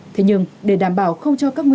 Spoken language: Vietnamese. thế nhưng để đảm bảo không cho các người